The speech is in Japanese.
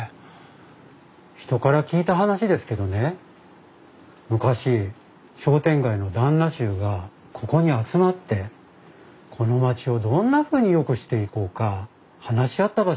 人から聞いた話ですけどね昔商店街の旦那衆がここに集まってこの街をどんなふうによくしていこうか話し合った場所らしいです。